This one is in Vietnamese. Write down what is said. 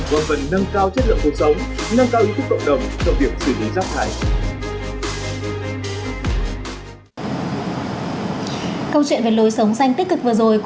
và phần nâng cao chất lượng cuộc sống